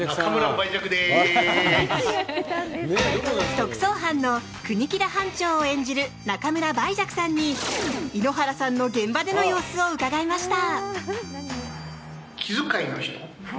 特捜班の国木田班長を演じる中村梅雀さんに井ノ原さんの現場での様子を伺いました。